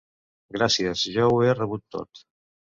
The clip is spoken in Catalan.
Gràcies, ja ho he rebut tot!